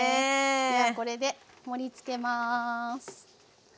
これで盛りつけます。